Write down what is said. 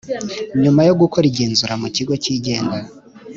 nyuma yo gukora igenzura mu Kigo cyigenga